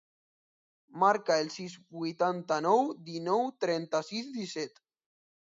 Marca el sis, vuitanta-nou, dinou, trenta-sis, disset.